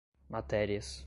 matérias